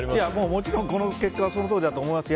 もちろん、この結果はそのとおりだと思います。